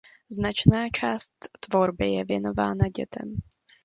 Značná část tvorby je věnována dětem.